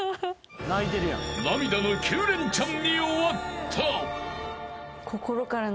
［涙の９レンチャンに終わった］